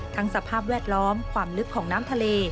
สภาพแวดล้อมความลึกของน้ำทะเล